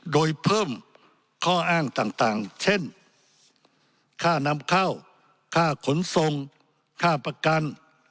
โดยเพิ่มข้ออ้างต่างเช่นค่านำเข้าค่าขนส่งค่าประกัน